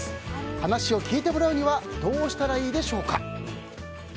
話を聞いてもらうにはどうしたらいいでしょうか。